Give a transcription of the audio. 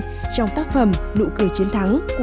trong tác phẩm nụ cười chiến thắng